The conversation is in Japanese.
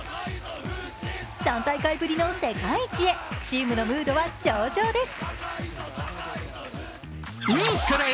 ３大会ぶりの世界一へ、チームのムードは上々です。